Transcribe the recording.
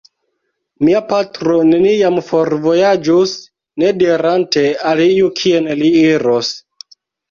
Mia patro neniam forvojaĝus nedirante al iu kien li iros.